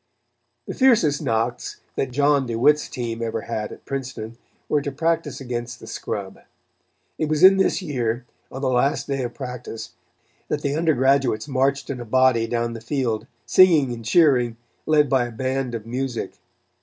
The fiercest knocks that John DeWitt's team ever had at Princeton were in practice against the scrub. It was in this year, on the last day of practice, that the undergraduates marched in a body down the field, singing and cheering, led by a band of music.